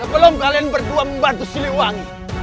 sebelum kalian berdua membantu siliwangi